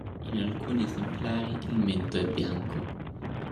In alcuni esemplari il mento è bianco.